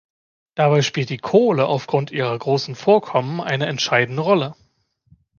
Dabei spielt die Kohle aufgrund ihrer großen Vorkommen eine entscheidende Rolle.